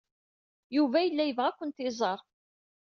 Yuba yella yebɣa ad kent-iẓer.